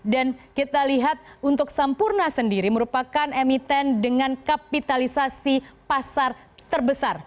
dan kita lihat untuk sampurna sendiri merupakan emiten dengan kapitalisasi pasar terbesar